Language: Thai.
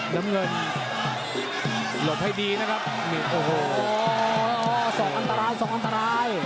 น้ำเงินหลบให้ดีนะครับนี่โอ้โหสอกอันตรายสองอันตราย